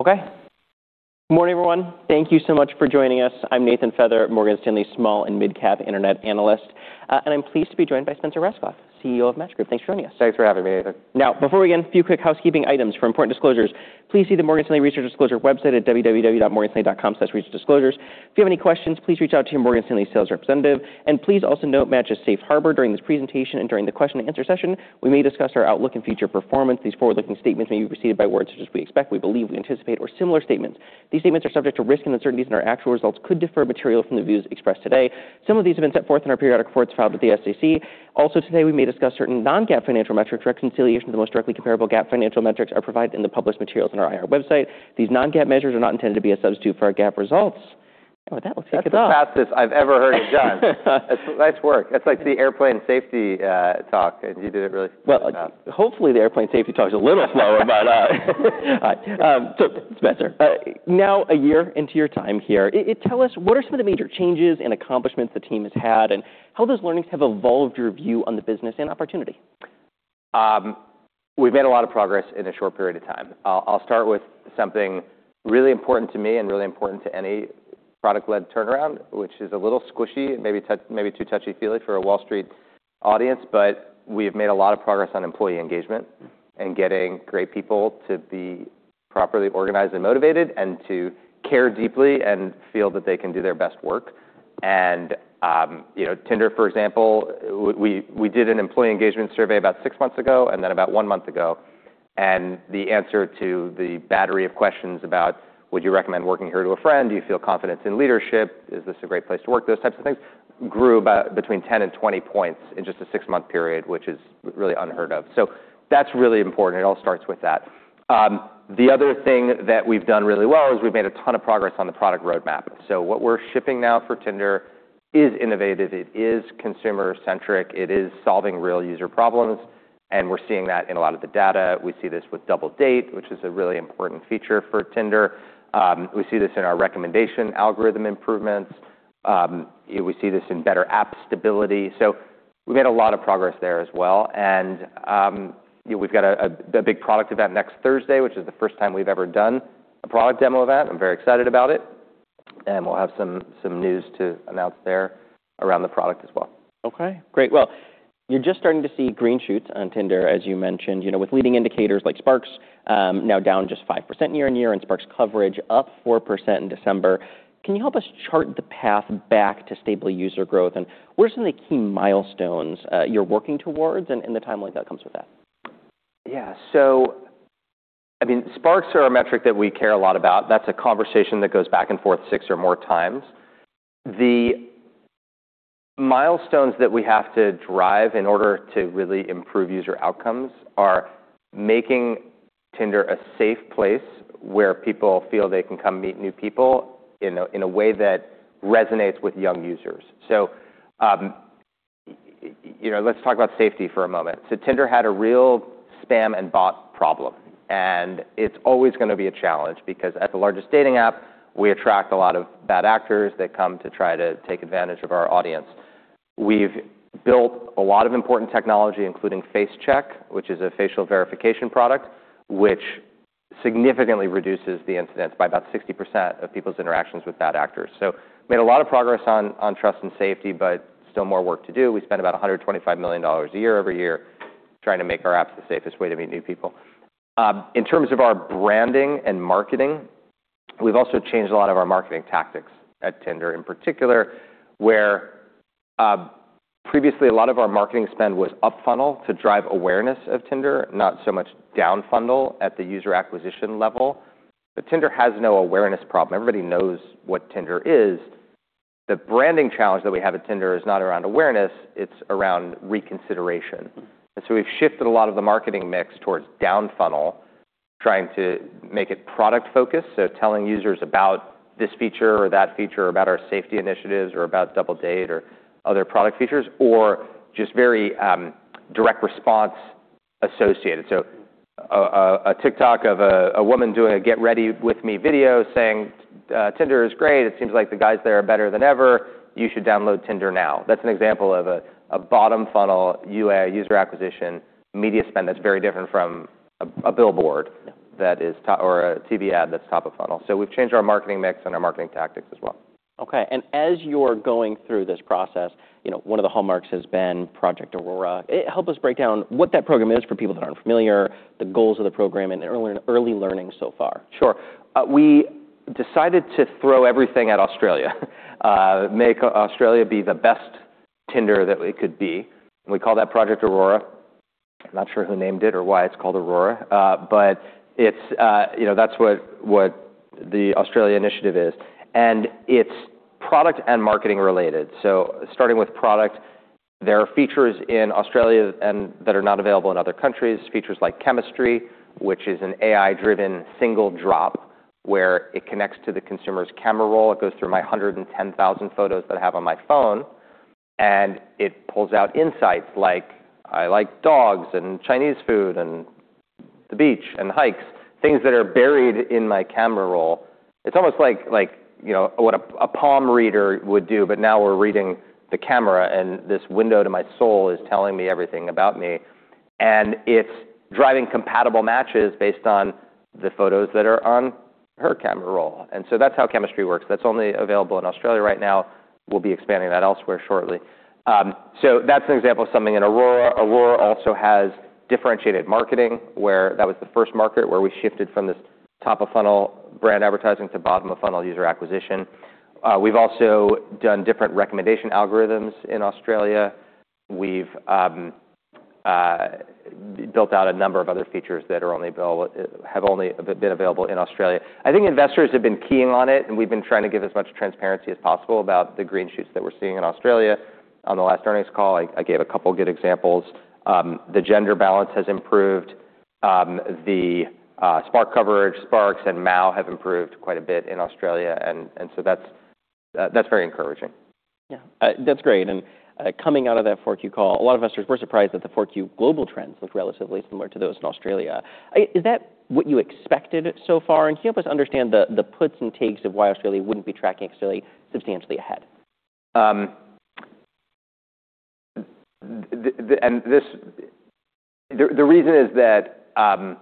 Okay. Good morning, everyone. Thank you so much for joining us. I'm Nathan Feather, Morgan Stanley Small and Midcap Internet Analyst, and I'm pleased to be joined by Spencer Rascoff, CEO of Match Group. Thanks for joining us. Thanks for having me, Nathan. Before we begin, a few quick housekeeping items. For important disclosures, please see the Morgan Stanley research disclosure website at www.morganstanley.com/researchdisclosures. If you have any questions, please reach out to your Morgan Stanley sales representative. Please also note Match's safe harbor during this presentation and during the question and answer session, we may discuss our outlook and future performance. These forward-looking statements may be preceded by words such as we expect, we believe, we anticipate, or similar statements. These statements are subject to risks and uncertainties. Our actual results could differ materially from the views expressed today. Some of these have been set forth in our periodic reports filed with the SEC. Today, we may discuss certain non-GAAP financial metrics. Reconciliations of the most directly comparable GAAP financial metrics are provided in the published materials on our IR website. These non-GAAP measures are not intended to be a substitute for our GAAP results. With that, we'll take it off. That's the fastest I've ever heard it done. That's nice work. That's like the airplane safety talk, and you did it really fast. Hopefully the airplane safety talk is a little slower, but All right. Spencer, now a year into your time here, tell us what are some of the major changes and accomplishments the team has had, and how those learnings have evolved your view on the business and opportunity? We've made a lot of progress in a short period of time. I'll start with something really important to me and really important to any product-led turnaround, which is a little squishy and maybe too touchy-feely for a Wall Street audience. We have made a lot of progress on employee engagement and getting great people to be properly organized and motivated and to care deeply and feel that they can do their best work. You know, Tinder, for example, we did an employee engagement survey about 6 months ago and then about one month ago. The answer to the battery of questions about would you recommend working here to a friend, do you feel confidence in leadership, is this a great place to work, those types of things, grew about between 10 and 20 points in just a six-month period, which is really unheard of. That's really important. It all starts with that. The other thing that we've done really well is we've made a ton of progress on the product roadmap. What we're shipping now for Tinder is innovative, it is consumer-centric, it is solving real user problems, and we're seeing that in a lot of the data. We see this with Double Date, which is a really important feature for Tinder. We see this in our recommendation algorithm improvements. We see this in better app stability. We made a lot of progress there as well. You know, we've got a big product event next Thursday, which is the first time we've ever done a product demo event. I'm very excited about it. We'll have some news to announce there around the product as well. Okay, great. Well, you're just starting to see green shoots on Tinder, as you mentioned. You know, with leading indicators like Sparks, now down just 5% year-on-year and Sparks coverage up 4% in December. Can you help us chart the path back to stable user growth, and what are some of the key milestones you're working towards and the timeline that comes with that? I mean, Sparks are a metric that we care a lot about. That's a conversation that goes back and forth 6 or more times. The milestones that we have to drive in order to really improve user outcomes are making Tinder a safe place where people feel they can come meet new people in a, in a way that resonates with young users. You know, let's talk about safety for a moment. Tinder had a real spam and bot problem, and it's always going to be a challenge because as the largest dating app, we attract a lot of bad actors that come to try to take advantage of our audience. We've built a lot of important technology, including Face Check, which is a facial verification product, which significantly reduces the incidents by about 60% of people's interactions with bad actors. We made a lot of progress on trust and safety, but still more work to do. We spend about $125 million a year every year trying to make our apps the safest way to meet new people. In terms of our branding and marketing, we've also changed a lot of our marketing tactics at Tinder. In particular, where previously a lot of our marketing spend was up funnel to drive awareness of Tinder, not so much down funnel at the user acquisition level. Tinder has no awareness problem. Everybody knows what Tinder is. The branding challenge that we have at Tinder is not around awareness, it's around reconsideration. We've shifted a lot of the marketing mix towards down funnel, trying to make it product-focused, so telling users about this feature or that feature, about our safety initiatives or about Double Date or other product features, or just very direct response associated. A TikTok of a woman doing a get ready with me video saying, "Tinder is great. It seems like the guys there are better than ever. You should download Tinder now." That's an example of a bottom funnel UA, user acquisition media spend that's very different from a billboard or a TV ad that's top of funnel. We've changed our marketing mix and our marketing tactics as well. Okay. As you're going through this process, you know, one of the hallmarks has been Project Aurora. help us break down what that program is for people that aren't familiar, the goals of the program and early learning so far. Sure. We decided to throw everything at Australia. Make Australia be the best Tinder that it could be, and we call that Project Aurora. I'm not sure who named it or why it's called Aurora. But it's, you know, that's what the Australia initiative is. It's product and marketing related. Starting with product, there are features in Australia and that are not available in other countries, features like Chemistry, which is an AI-driven single drop where it connects to the consumer's Camera Roll. It goes through my 110,000 photos that I have on my phone, and it pulls out insights like I like dogs and Chinese food and the beach and hikes, things that are buried in my Camera Roll. It's almost like, you know, what a palm reader would do, but now we're reading the camera, and this window to my soul is telling me everything about me. It's driving compatible matches based on the photos that are on her Camera Roll. That's how Chemistry works. That's only available in Australia right now. We'll be expanding that elsewhere shortly. That's an example of something in Aurora. Aurora also has differentiated marketing where that was the first market where we shifted from this top-of-funnel brand advertising to bottom-of-funnel user acquisition. We've also done different recommendation algorithms in Australia. We've built out a number of other features that are only been available in Australia. I think investors have been keying on it, and we've been trying to give as much transparency as possible about the green shoots that we're seeing in Australia. On the last earnings call, I gave a couple good examples. The gender balance has improved. The Sparks Coverage, Sparks and MAU have improved quite a bit in Australia and so that's that's very encouraging. Yeah, that's great. Coming out of that 4Q call, a lot of investors were surprised that the 4Q global trends looked relatively similar to those in Australia. Is that what you expected so far? Can you help us understand the puts and takes of why Australia wouldn't be tracking Australia substantially ahead? The reason is that we,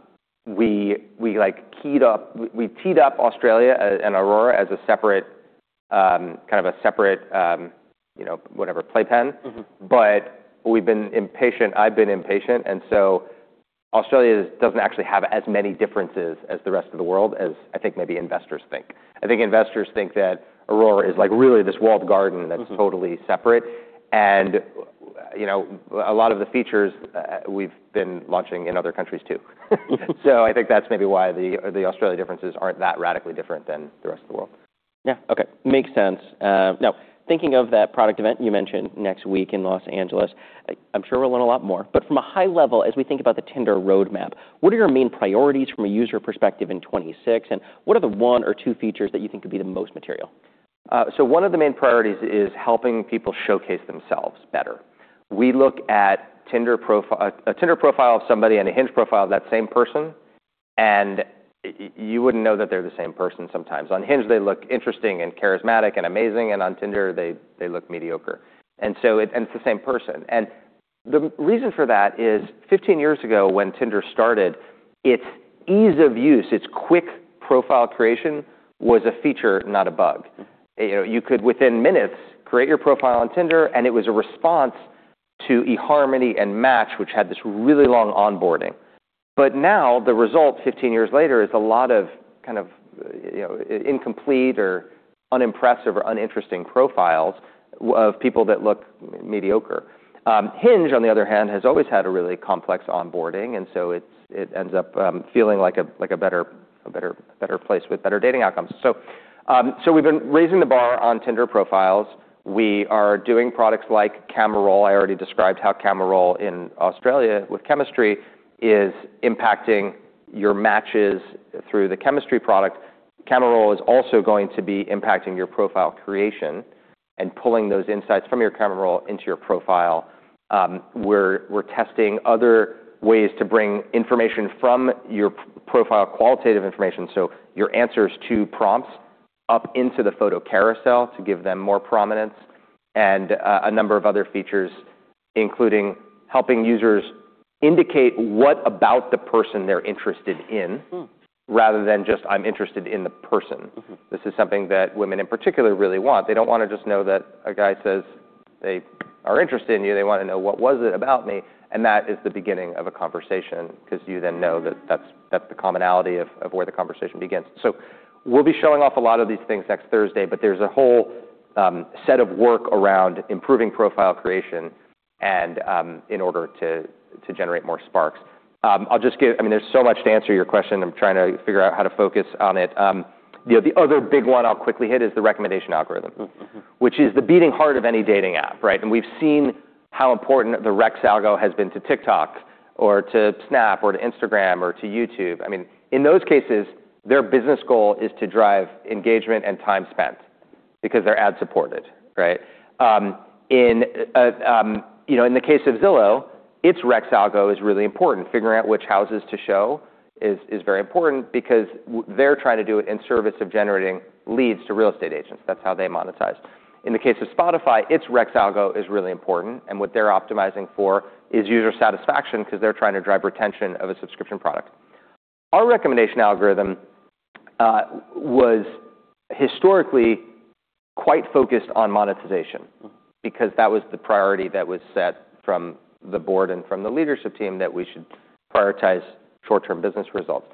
like, keyed up, we teed up Australia and Aurora as a separate, kind of a separate, you know, whatever, playpen. Mm-hmm. We've been impatient. I've been impatient, Australia doesn't actually have as many differences as the rest of the world as I think maybe investors think. I think investors think that Aurora is, like, really this walled garden. Mm-hmm That's totally separate. You know, a lot of the features, we've been launching in other countries too. Yeah. I think that's maybe why the Australia differences aren't that radically different than the rest of the world. Yeah. Okay. Makes sense. Now thinking of that product event you mentioned next week in Los Angeles, I'm sure we'll learn a lot more, but from a high level, as we think about the Tinder roadmap, what are your main priorities from a user perspective in 2026, and what are the one or two features that you think could be the most material? One of the main priorities is helping people showcase themselves better. A Tinder profile of somebody and a Hinge profile of that same person, and y-you wouldn't know that they're the same person sometimes. On Hinge, they look interesting and charismatic and amazing, and on Tinder, they look mediocre. It's the same person. The reason for that is 15 years ago, when Tinder started, its ease of use, its quick profile creation was a feature, not a bug. You know, you could, within minutes, create your profile on Tinder, and it was a response to eHarmony and Match, which had this really long onboarding. Now the result 15 years later is a lot of kind of, you know, incomplete or unimpressive or uninteresting profiles of people that look mediocre. Hinge, on the other hand, has always had a really complex onboarding. It ends up feeling like a better place with better dating outcomes. We've been raising the bar on Tinder profiles. We are doing products like Camera Roll. I already described how Camera Roll in Australia with Chemistry is impacting your matches through the Chemistry product. Camera Roll is also going to be impacting your profile creation and pulling those insights from your Camera Roll into your profile. We're testing other ways to bring information from your profile, qualitative information, so your answers to prompts up into the photo carousel to give them more prominence and a number of other features, including helping users indicate what about the person they're interested in. Hmm Rather than just I'm interested in the person. Mm-hmm. This is something that women in particular really want. They don't want to just know that a guy says they are interested in you. They want to know, what was it about me? That is the beginning of a conversation because you then know that that's the commonality of where the conversation begins. We'll be showing off a lot of these things next Thursday, but there's a whole set of work around improving profile creation and in order to generate more Sparks. I mean, there's so much to answer your question. I'm trying to figure out how to focus on it. You know, the other big one I'll quickly hit is the recommendation algorithm. Mm-hmm .Which is the beating heart of any dating app, right? We've seen how important the recs algo has been to TikTok or to Snap or to Instagram or to YouTube. I mean, in those cases, their business goal is to drive engagement and time spent because they're ad-supported, right? You know, in the case of Zillow, its recs algo is really important. Figuring out which houses to show is very important because they're trying to do it in service of generating leads to real estate agents. That's how they monetize. In the case of Spotify, its recs algo is really important, and what they're optimizing for is user satisfaction because they're trying to drive retention of a subscription product. Our recommendation algorithm was historically quite focused on monetization- Mm-hmm because that was the priority that was set from the board and from the leadership team that we should prioritize short-term business results.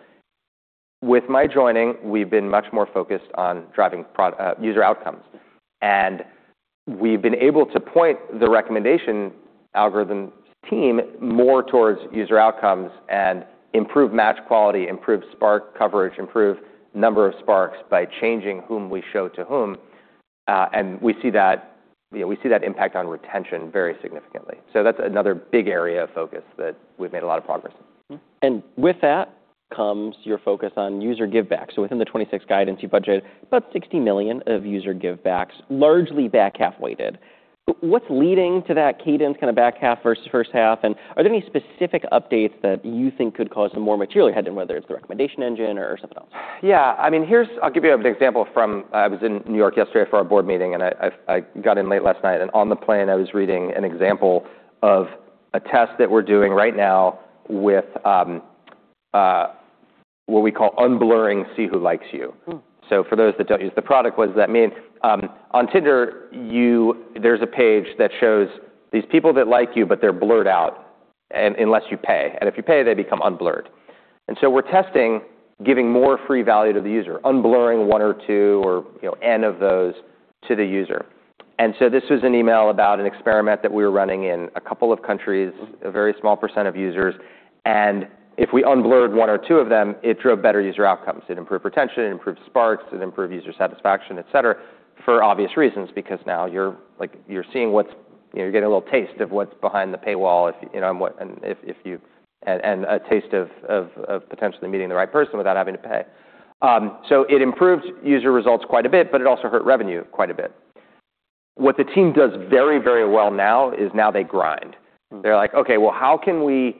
With my joining, we've been much more focused on driving user outcomes, and we've been able to point the recommendation algorithm team more towards user outcomes and improve match quality, improve Sparks Coverage, improve number of Sparks by changing whom we show to whom. We see that, you know, we see that impact on retention very significantly. That's another big area of focus that we've made a lot of progress in. With that comes your focus on user givebacks. Within the 2026 guidance, you budget about $60 million of user givebacks, largely back-half weighted. What's leading to that cadence kind of back half versus first half? Are there any specific updates that you think could cause some more material ahead, whether it's the recommendation engine or something else? Yeah. I mean, I'll give you an example from. I was in New York yesterday for our board meeting. I got in late last night. On the plane, I was reading an example of a test that we're doing right now with what we call unblurring see who Likes You. Hmm. For those that don't use the product, what does that mean? On Tinder, there's a page that shows these people that like you, but they're blurred out unless you pay. If you pay, they become unblurred. We're testing giving more free value to the user, unblurring one or two or, you know, N of those to the user. This was an email about an experiment that we were running in a couple of countries. Mm-hmm. A very small % of users. If we unblurred one or two of them, it drove better user outcomes. It improved retention, it improved sparks, it improved user satisfaction, et cetera, for obvious reasons, because now you're, like, you're seeing what's, you know, you're getting a little taste of what's behind the paywall if, you know, a taste of potentially meeting the right person without having to pay. It improved user results quite a bit, but it also hurt revenue quite a bit. What the team does very, very well now is now they grind. Mm-hmm. They're like, "Okay, well, how can we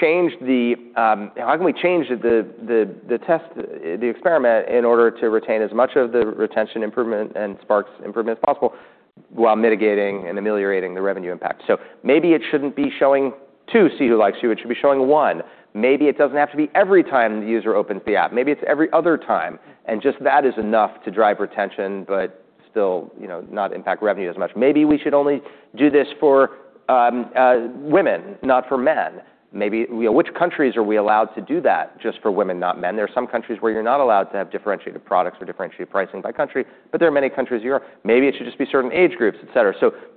change the how can we change the test, the experiment in order to retain as much of the retention improvement and Sparks improvement as possible while mitigating and ameliorating the revenue impact?" Maybe it shouldn't be showing two see who Likes You, it should be showing one. Maybe it doesn't have to be every time the user opens the app. Maybe it's every other time, and just that is enough to drive retention, but still, you know, not impact revenue as much. Maybe we should only do this for women, not for men. Maybe, you know, which countries are we allowed to do that just for women, not men? There are some countries where you're not allowed to have differentiated products or differentiated pricing by country, but there are many countries you are. Maybe it should just be certain age groups, et cetera.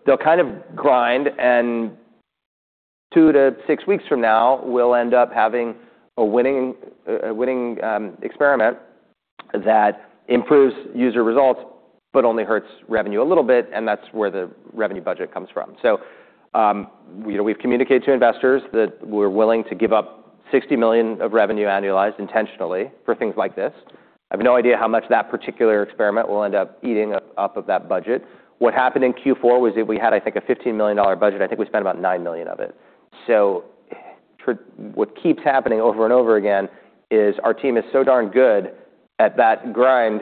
They'll kind of grind, and two to six weeks from now, we'll end up having a winning experiment that improves user results but only hurts revenue a little bit, and that's where the revenue budget comes from. You know, we've communicated to investors that we're willing to give up $60 million of revenue annualized intentionally for things like this. I have no idea how much that particular experiment will end up eating up of that budget. What happened in Q4 was that we had, I think, a $15 million budget. I think we spent about $9 million of it. What keeps happening over and over again is our team is so darn good at that grind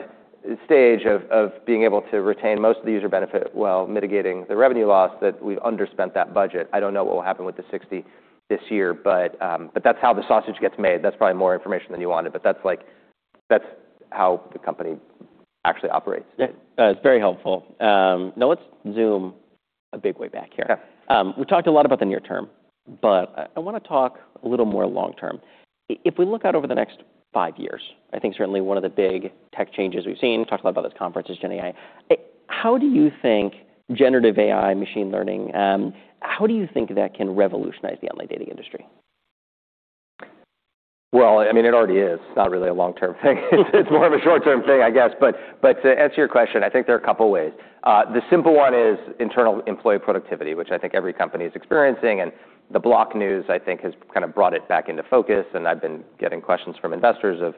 stage of being able to retain most of the user benefit while mitigating the revenue loss that we've underspent that budget. I don't know what will happen with the $60 this year, but that's how the sausage gets made. That's probably more information than you wanted, but that's like, that's how the company actually operates. Yeah. It's very helpful. Let's zoom a big way back here. Okay. We talked a lot about the near term. I want to talk a little more long term. If we look out over the next five years, I think certainly one of the big tech changes we've seen, talked a lot about this conference, is Gen AI. How do you think generative AI, machine learning, how do you think that can revolutionize the online dating industry? Well, I mean, it already is. It's not really a long-term thing. It's more of a short-term thing, I guess. to answer your question, I think there are a couple ways. The simple one is internal employee productivity, which I think every company is experiencing, and the Block news, I think, has kind of brought it back into focus, and I've been getting questions from investors of,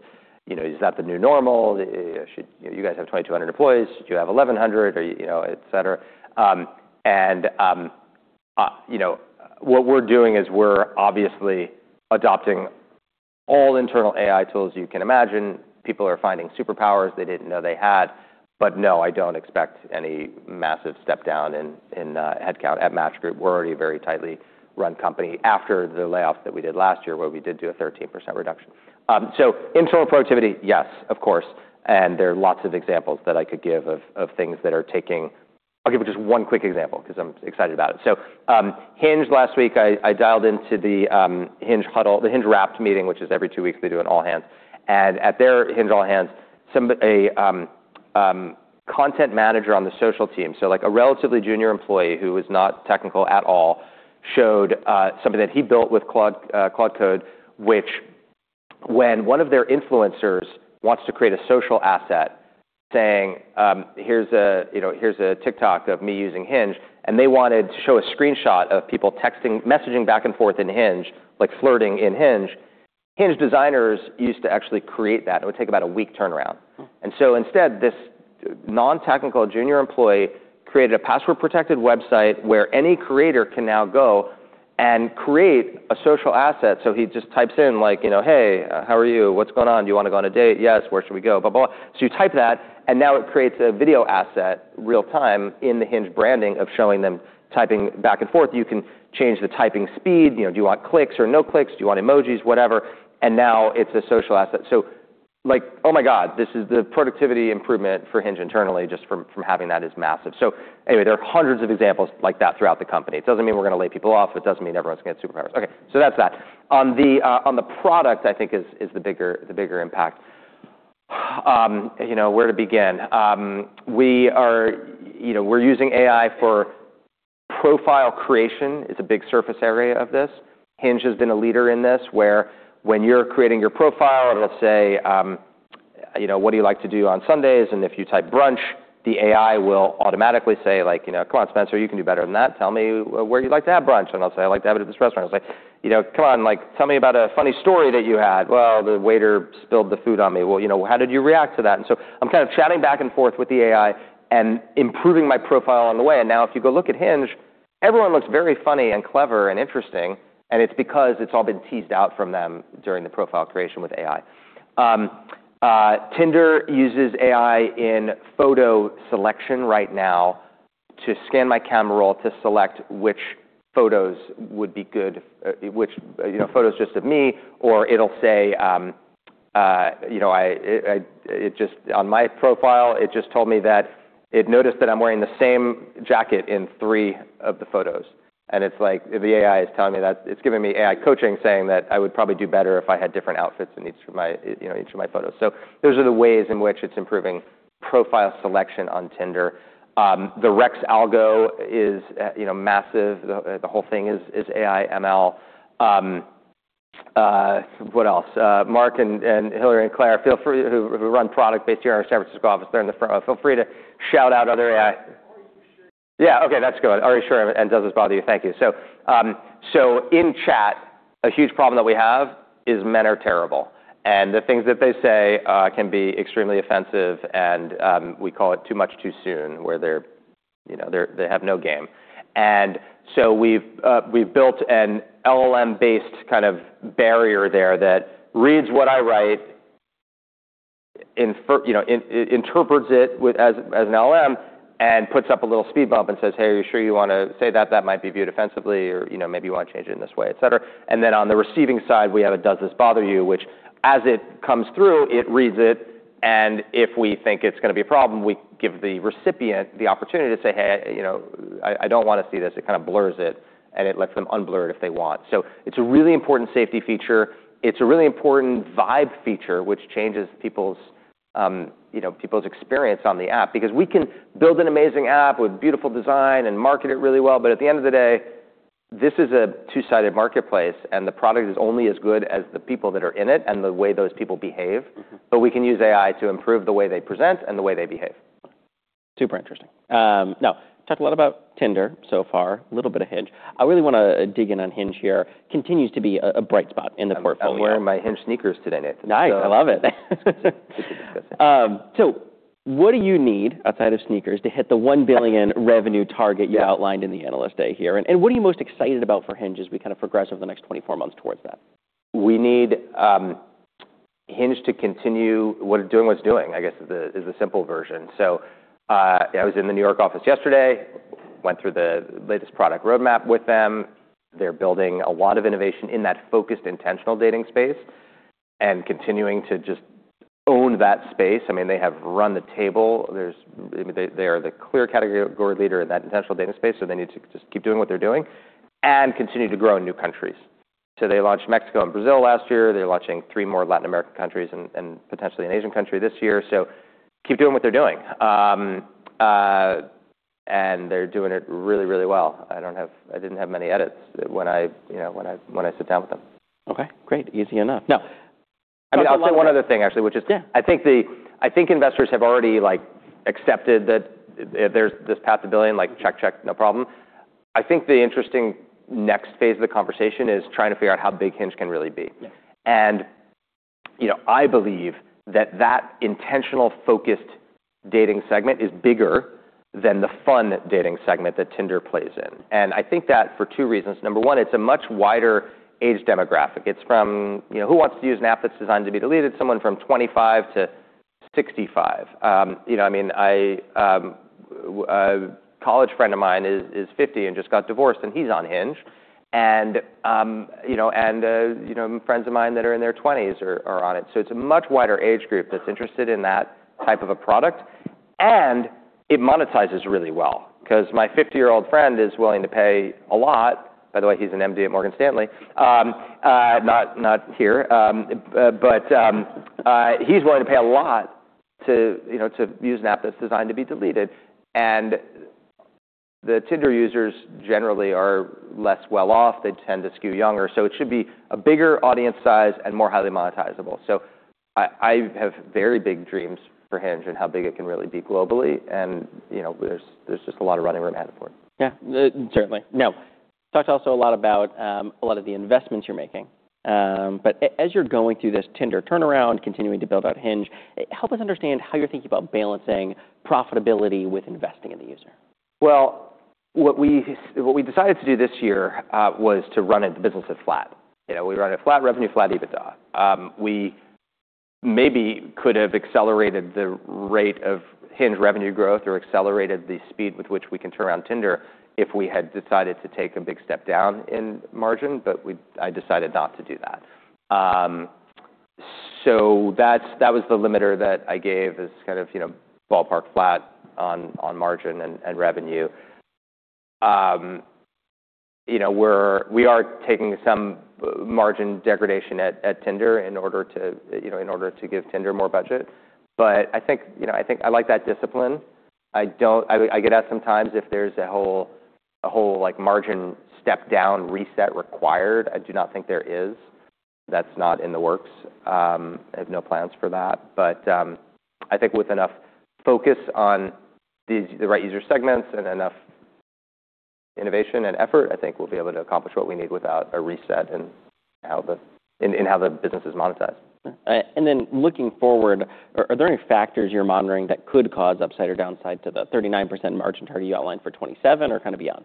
you know, is that the new normal? You know, you guys have 2,200 employees. Should you have 1,100 or, you know, et cetera. you know, what we're doing is we're obviously adopting all internal AI tools you can imagine. People are finding superpowers they didn't know they had. no, I don't expect any massive step down in headcount at Match Group. We're already a very tightly run company after the layoffs that we did last year, where we did do a 13% reduction. Internal productivity, yes, of course, and there are lots of examples that I could give. I'll give just one quick example ’cause I'm excited about it. Hinge last week, I dialed into the Hinge huddle, the Hinge Wrapped meeting, which is every two weeks they do an all hands. At their Hinge all hands, a content manager on the social team, so like a relatively junior employee who is not technical at all, showed something that he built with Claude Code, which when one of their influencers wants to create a social asset saying, "Here's a, you know, here's a TikTok of me using Hinge," and they wanted to show a screenshot of people texting, messaging back and forth in Hinge, like flirting in Hinge designers used to actually create that. It would take about a week turnaround. Hmm. Instead, this non-technical junior employee created a password-protected website where any creator can now go and create a social asset. He just types in like, you know, "Hey, how are you? What's going on? Do you want to go on a date?" "Yes. Where should we go?" Blah, blah. You type that, now it creates a video asset real-time in the Hinge branding of showing them typing back and forth. You can change the typing speed. You know, do you want clicks or no clicks? Do you want emojis? Whatever. Now it's a social asset. Like, oh my God, this is the productivity improvement for Hinge internally just from having that is massive. Anyway, there are hundreds of examples like that throughout the company. It doesn't mean we're gonna lay people off. It doesn't mean everyone's going to get superpowers. That's that. On the on the product, I think is the bigger impact. You know, where to begin? We are, you know, we're using AI for profile creation is a big surface area of this. Hinge has been a leader in this, where when you're creating your profile, it'll say, you know, "What do you like to do on Sundays?" If you type brunch, the AI will automatically say like, you know, "Come on, Spencer, you can do better than that. Tell me where you like to have brunch." I'll say, "I like to have it at this restaurant." It's like, you know, "Come on, like, tell me about a funny story that you had." "Well, the waiter spilled the food on me." "Well, you know, how did you react to that?" I'm kind of chatting back and forth with the AI and improving my profile on the way. If you go look at Hinge. Everyone looks very funny and clever and interesting, and it's because it's all been teased out from them during the profile creation with AI. Tinder uses AI in photo selection right now to scan my Camera Roll to select which photos would be good, which, you know, photos just of me or it'll say, you know, on my profile, it just told me that it noticed that I'm wearing the same jacket in three of the photos. It's like the AI is telling me that it's giving me AI coaching saying that I would probably do better if I had different outfits in each of my, you know, each of my photos. Those are the ways in which it's improving profile selection on Tinder. The recs algo is, you know, massive. The whole thing is AI, ML. What else? Mark and Hillary and Claire, who run product based here in our San Francisco office. They're in the front. Feel free to shout out other AI- Are You Sure? Yeah. Okay, that's good. Are You Sure? And Does This Bother You? Thank you. In chat, a huge problem that we have is men are terrible, and the things that they say can be extremely offensive and we call it too much too soon, where they're, you know, they have no game. We've built an LLM-based kind of barrier there that reads what I write, you know, interprets it with as an LLM and puts up a little speed bump and says, "Hey, Are You Sure? You want to say that? That might be viewed offensively or, you know, maybe you want to change it in this way," et cetera. On the receiving side, we have a Does This Bother You?, which as it comes through, it reads it, and if we think it's gonna be a problem, we give the recipient the opportunity to say, "Hey, you know, I don't wanna see this." It kind of blurs it and it lets them unblur it if they want. It's a really important safety feature. It's a really important vibe feature, which changes people's, you know, people's experience on the app because we can build an amazing app with beautiful design and market it really well, but at the end of the day, this is a two-sided marketplace, and the product is only as good as the people that are in it and the way those people behave. Mm-hmm. We can use AI to improve the way they present and the way they behave. Super interesting. Talked a lot about Tinder so far. A little bit of Hinge. I really want to dig in on Hinge here. Continues to be a bright spot in the portfolio. I'm wearing my Hinge sneakers today, Nathan. Nice. I love it. Super disgusting. What do you need outside of sneakers to hit the $1 billion revenue target? Yeah. you outlined in the Analyst Day here? What are you most excited about for Hinge as we kind of progress over the next 24 months towards that? We need Hinge to continue doing what it's doing, I guess is the, is the simple version. I was in the New York office yesterday, went through the latest product roadmap with them. They're building a lot of innovation in that focused, intentional dating space and continuing to just own that space. I mean, they have run the table. They are the clear category leader in that intentional dating space, they need to just keep doing what they're doing and continue to grow in new countries. They launched Mexico and Brazil last year. They're launching three more Latin American countries and potentially an Asian country this year. Keep doing what they're doing. They're doing it really well. I didn't have many edits when I, you know, when I sit down with them. Okay, great. Easy enough. I mean, I'll say one other thing actually. Yeah. I think investors have already, like, accepted that there's this path to billion, like check, no problem. I think the interesting next phase of the conversation is trying to figure out how big Hinge can really be. Yeah. You know, I believe that that intentional-focused dating segment is bigger than the fun dating segment that Tinder plays in. I think that for two reasons. Number one, it's a much wider age demographic. It's from, you know, who wants to use an app that's designed to be deleted? Someone from 25 to 65. You know, I mean, a college friend of mine is 50 and just got divorced, and he's on Hinge. You know, friends of mine that are in their 20s are on it. It's a much wider age group that's interested in that type of a product, and it monetizes really well because my 50-year-old friend is willing to pay a lot. By the way, he's an MD at Morgan Stanley. Not here. He's willing to pay a lot to, you know, to use an app that's designed to be deleted. The Tinder users generally are less well off. They tend to skew younger. It should be a bigger audience size and more highly monetizable. I have very big dreams for Hinge and how big it can really be globally and, you know, there's just a lot of running room ahead for it. Yeah. Certainly. Now, talked also a lot about a lot of the investments you're making. As you're going through this Tinder turnaround, continuing to build out Hinge, help us understand how you're thinking about balancing profitability with investing in the user? Well, what we decided to do this year was to run the business at flat. You know, we run it flat revenue, flat EBITDA. We maybe could have accelerated the rate of Hinge revenue growth or accelerated the speed with which we can turn around Tinder if we had decided to take a big step down in margin, but I decided not to do that. So that was the limiter that I gave as kind of, you know, ballpark flat on margin and revenue. You know, we are taking some margin degradation at Tinder in order to, you know, in order to give Tinder more budget. I think, you know, I think I like that discipline. I don't I get asked sometimes if there's a whole, like, margin step-down reset required. I do not think there is. That's not in the works. I have no plans for that. I think with enough focus on the right user segments and enough innovation and effort, I think we'll be able to accomplish what we need without a reset in how the business is monetized. Looking forward, are there any factors you're monitoring that could cause upside or downside to the 39% margin target you outlined for 2027 or kind of beyond?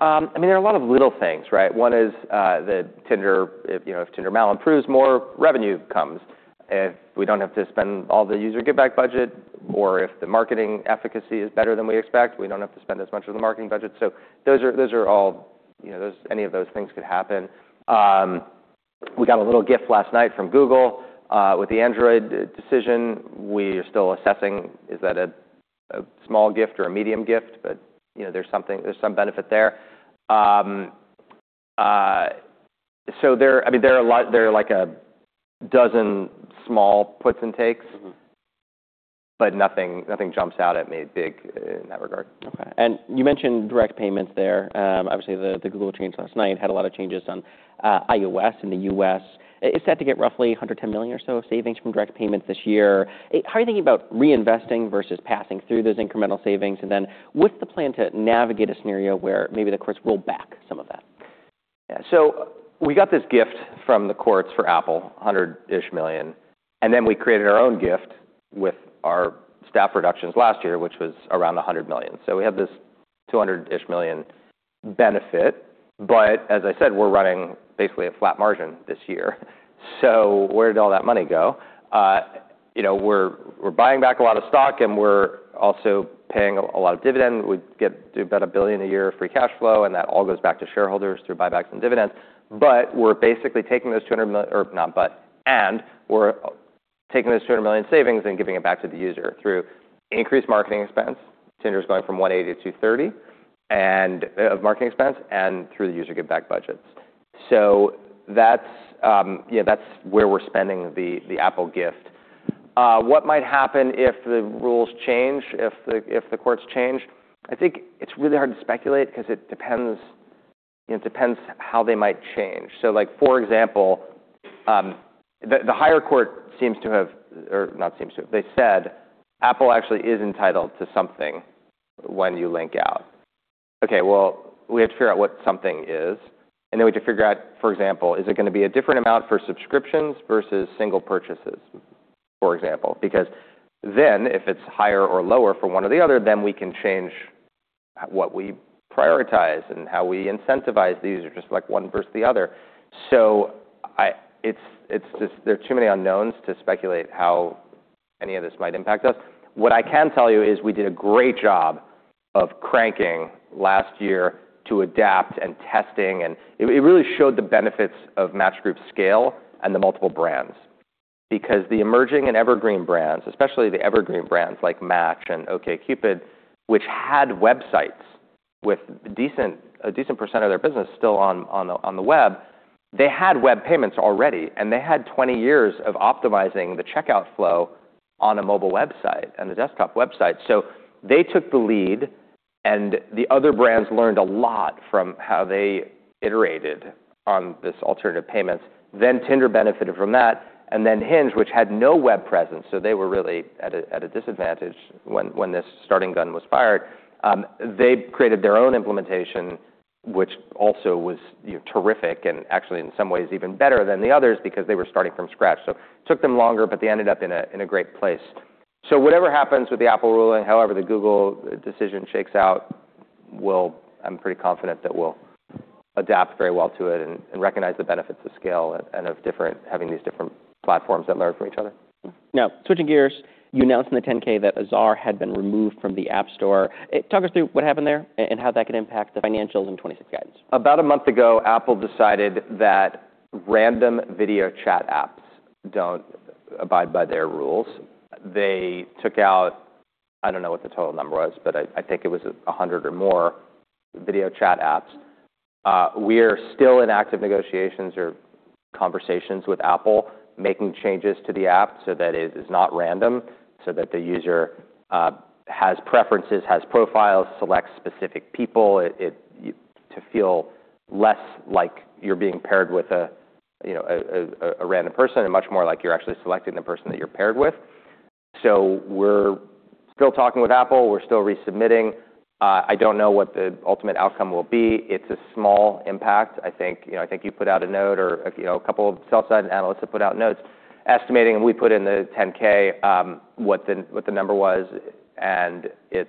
I mean, there are a lot of little things, right? One is that Tinder, if, you know, if Tinder MAL improves, more revenue comes. If we don't have to spend all the user giveback budget, or if the marketing efficacy is better than we expect, we don't have to spend as much of the marketing budget. Those are all, you know, any of those things could happen. We got a little gift last night from Google with the Android decision. We are still assessing is that a small gift or a medium gift, but, you know, there's something, there's some benefit there. I mean, there are, like, a dozen small puts and takes. Mm-hmm. Nothing jumps out at me big in that regard. Okay. You mentioned direct payments there. Obviously, the Google change last night had a lot of changes on iOS in the U.S. It's set to get roughly $110 million or so of savings from direct payments this year. How are you thinking about reinvesting versus passing through those incremental savings? What's the plan to navigate a scenario where maybe the courts will back some of that? We got this gift from the courts for Apple, $100-ish million, and then we created our own gift with our staff reductions last year, which was around $100 million. We have this $200-ish million benefit. As I said, we're running basically a flat margin this year. Where did all that money go? You know, we're buying back a lot of stock, and we're also paying a lot of dividend. We get about $1 billion a year of free cash flow, and that all goes back to shareholders through buybacks and dividends. We're basically taking those $200 million savings and giving it back to the user through increased marketing expense. Tinder's going from $180-$230 and of marketing expense, and through the user giveback budgets. That's, yeah, that's where we're spending the Apple gift. What might happen if the rules change, if the, if the courts change? I think it's really hard to speculate because it depends. It depends how they might change. Like, for example, the higher court, they said Apple actually is entitled to something when you link out. Well, we have to figure out what something is, and then we have to figure out, for example, is it gonna be a different amount for subscriptions versus single purchases, for example? If it's higher or lower for one or the other, then we can change what we prioritize and how we incentivize the user, just like one versus the other. It's just there are too many unknowns to speculate how any of this might impact us. What I can tell you is we did a great job of cranking last year to adapt and testing, and it really showed the benefits of Match Group's scale and the multiple brands. The emerging and evergreen brands, especially the evergreen brands like Match and OkCupid, which had websites with decent, a decent percentage of their business still on the, on the web, they had web payments already, and they had 20 years of optimizing the checkout flow on a mobile website and a desktop website. They took the lead, and the other brands learned a lot from how they iterated on this alternative payments. Tinder benefited from that, and then Hinge, which had no web presence, so they were really at a disadvantage when this starting gun was fired, they created their own implementation, which also was, you know, terrific and actually in some ways even better than the others because they were starting from scratch. Took them longer, but they ended up in a great place. Whatever happens with the Apple ruling, however the Google decision shakes out, I'm pretty confident that we'll adapt very well to it and recognize the benefits of scale and of different, having these different platforms that learn from each other. Now, switching gears, you announced in the 10-K that Azar had been removed from the App Store. Talk us through what happened there and how that could impact the financials in 2026 guidance? About a month ago, Apple decided that random video chat apps don't abide by their rules. They took out, I don't know what the total number was, but I think it was 100 or more video chat apps. We're still in active negotiations or conversations with Apple, making changes to the app so that it is not random, so that the user has preferences, has profiles, selects specific people. to feel less like you're being paired with a, you know, a random person and much more like you're actually selecting the person that you're paired with. We're still talking with Apple. We're still resubmitting. I don't know what the ultimate outcome will be. It's a small impact. I think, you know, I think you put out a note or a, you know, a couple of sell-side analysts have put out notes estimating, and we put in the 10-K, what the number was, and it's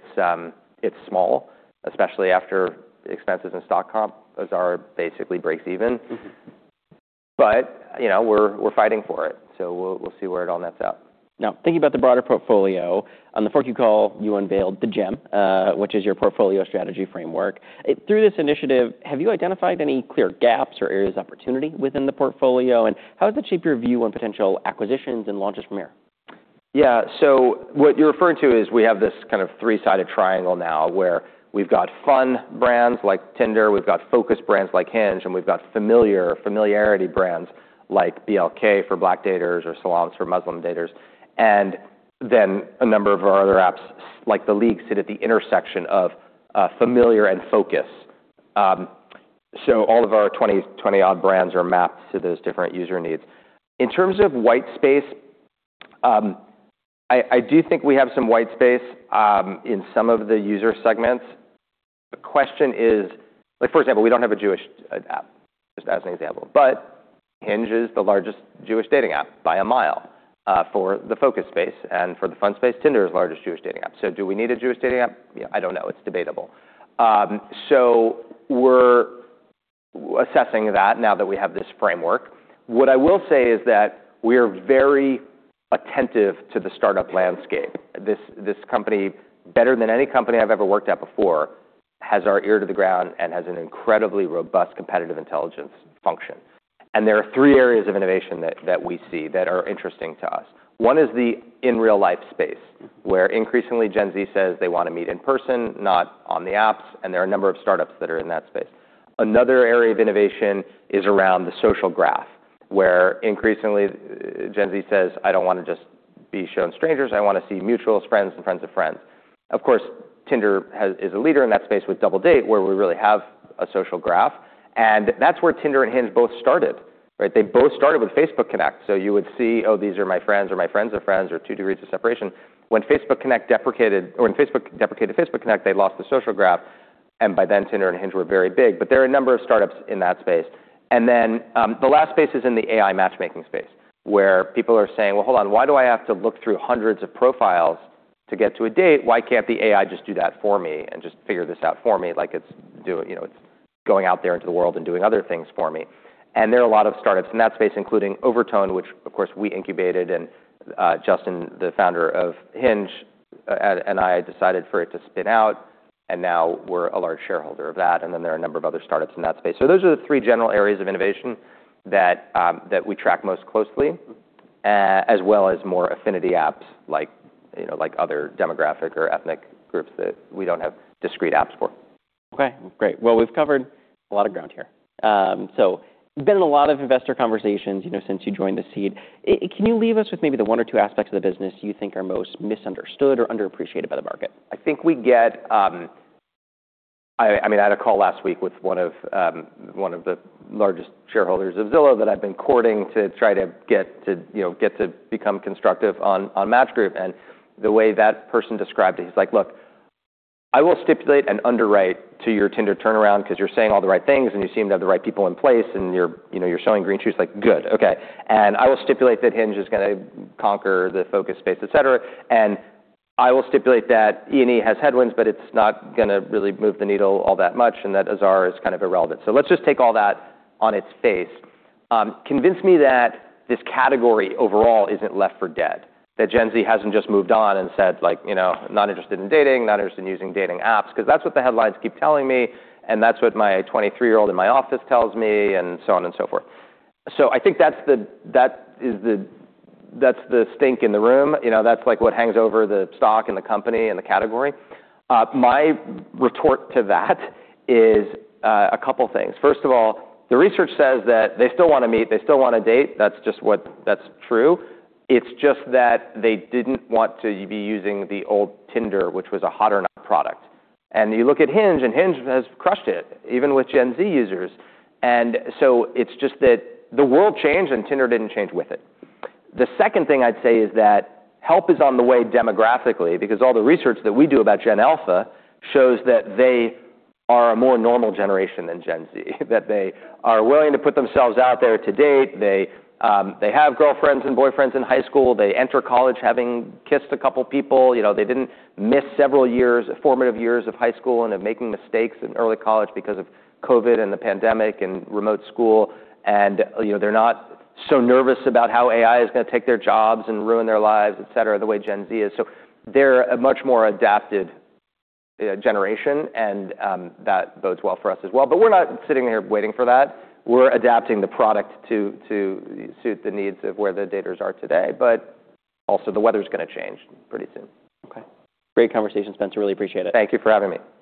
small, especially after expenses and stock comp. Azar basically breaks even. Mm-hmm. You know, we're fighting for it, so we'll see where it all nets out. Now, thinking about the broader portfolio, on the fourth Q call, you unveiled the GEM, which is your portfolio strategy framework. Through this initiative, have you identified any clear gaps or areas of opportunity within the portfolio, and how does it shape your view on potential acquisitions and launches from here? Yeah. What you're referring to is we have this kind of three-sided triangle now where we've got fun brands like Tinder, we've got focus brands like Hinge, and we've got familiar, familiarity brands like BLK for Black daters or Salams for Muslim daters. A number of our other apps, like The League, sit at the intersection of familiar and focus. All of our 20-odd brands are mapped to those different user needs. In terms of white space, I do think we have some white space in some of the user segments. Question is, like for example, we don't have a Jewish app, just as an example. Hinge is the largest Jewish dating app by a mile for the focus space and for the fun space, Tinder is the largest Jewish dating app. Do we need a Jewish dating app? Yeah, I don't know. It's debatable. We're assessing that now that we have this framework. What I will say is that we're very attentive to the startup landscape. This company, better than any company I've ever worked at before, has our ear to the ground and has an incredibly robust competitive intelligence function. There are three areas of innovation that we see that are interesting to us. One is the in real life space, where increasingly Gen Z says they wanna meet in person, not on the apps. There are a number of startups that are in that space. Another area of innovation is around the social graph, where increasingly Gen Z says, "I don't wanna just be shown strangers. I wanna see mutuals, friends, and friends of friends." Of course, Tinder is a leader in that space with Double Date, where we really have a social graph, and that's where Tinder and Hinge both started, right? They both started with Facebook Connect. You would see, oh, these are my friends or my friends of friends or two degrees of separation. When Facebook deprecated Facebook Connect, they lost the social graph, and by then, Tinder and Hinge were very big. There are a number of startups in that space. The last space is in the AI matchmaking space, where people are saying, "Well, hold on. Why do I have to look through hundreds of profiles to get to a date? Why can't the AI just do that for me and just figure this out for me like it's you know, it's going out there into the world and doing other things for me? There are a lot of startups in that space, including Overtone, which of course we incubated, and Justin, the founder of Hinge, and I decided for it to spin out, and now we're a large shareholder of that, and then there are a number of other startups in that space. Those are the three general areas of innovation that we track most closely, as well as more affinity apps like, you know, like other demographic or ethnic groups that we don't have discrete apps for. Okay. Great. Well, we've covered a lot of ground here. You've been in a lot of investor conversations, you know, since you joined The Seed. Can you leave us with maybe the one or two aspects of the business you think are most misunderstood or underappreciated by the market? I think we get, I mean, I had a call last week with one of, one of the largest shareholders of Zillow that I've been courting to try to get to, you know, get to become constructive on Match Group. The way that person described it, he's like, "Look, I will stipulate and underwrite to your Tinder turnaround because you're saying all the right things, and you seem to have the right people in place, and you're, you know, you're showing green shoots." Like, good. Okay. I will stipulate that Hinge is gonna conquer the focus space, et cetera. I will stipulate that E&E has headwinds, but it's not gonna really move the needle all that much, and that Azar is kind of irrelevant. Let's just take all that on its face. Convince me that this category overall isn't left for dead, that Gen Z hasn't just moved on and said, like, you know, 'Not interested in dating, not interested in using dating apps,' because that's what the headlines keep telling me, and that's what my 23-year-old in my office tells me," and so on and so forth. I think that's the stink in the room. You know, that's like what hangs over the stock and the company and the category. My retort to that is a couple things. First of all, the research says that they still wanna meet, they still wanna date. That's just true. It's just that they didn't want to be using the old Tinder, which was a Hot or Not product. You look at Hinge, and Hinge has crushed it, even with Gen Z users. It's just that the world changed, and Tinder didn't change with it. The second thing I'd say is that help is on the way demographically because all the research that we do about Gen Alpha shows that they are a more normal generation than Gen Z, that they are willing to put themselves out there to date. They have girlfriends and boyfriends in high school. They enter college having kissed a couple people. You know, they didn't miss several years, formative years of high school and of making mistakes in early college because of COVID and the pandemic and remote school. You know, they're not so nervous about how AI is going to take their jobs and ruin their lives, et cetera, the way Gen Z is. They're a much more adapted generation, and that bodes well for us as well. We're not sitting here waiting for that. We're adapting the product to suit the needs of where the daters are today, but also the weather's gonna change pretty soon. Okay. Great conversation, Spencer. Really appreciate it. Thank you for having me.